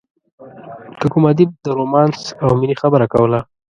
که کوم ادیب د رومانس او مینې خبره کوله.